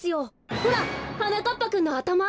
ほらはなかっぱくんのあたま。